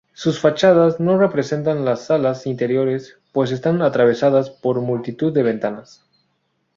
Sus fachadas no respetan las salas interiores, pues están atravesadas por multitud de ventanas.